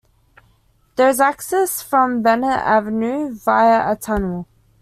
There is access from Bennett Avenue via a tunnel.